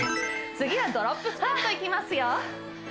次はドロップスクワットいきますよ